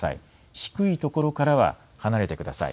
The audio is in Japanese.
低い所からは離れてください。